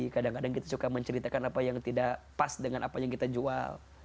kadang kadang kita suka menceritakan apa yang tidak pas dengan apa yang kita jual